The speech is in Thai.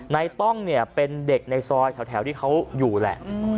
ต้องเนี่ยเป็นเด็กในซอยแถวที่เขาอยู่แหละ